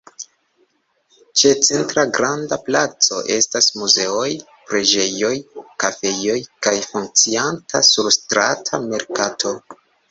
Ĉe centra granda placo estas muzeoj, preĝejoj, kafejoj kaj funkcianta surstrata merkato.